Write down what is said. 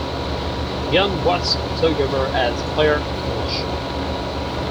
Ian Watson took over as player-coach.